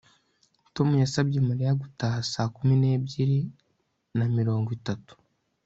Tom yasabye Mariya gutaha saa kumi nebyiri na mirongo itatu